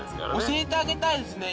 教えてあげたいですね。